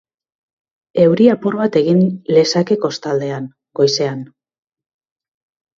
Euri apur bat egin lezake kostaldean, goizean.